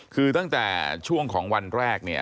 คือตั้งแต่ช่วงของวันแรกเนี่ย